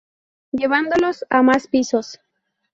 Llevándolos a más pisos.